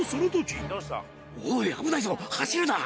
おい、危ないぞ、走るな。